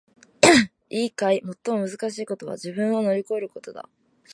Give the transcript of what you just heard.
いいかい！最もむずかしいことは自分を乗り越えることだ！